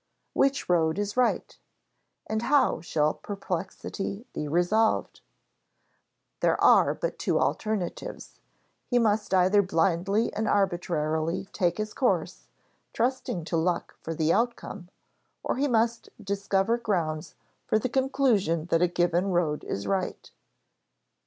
Which road is right? And how shall perplexity be resolved? There are but two alternatives: he must either blindly and arbitrarily take his course, trusting to luck for the outcome, or he must discover grounds for the conclusion that a given road is right.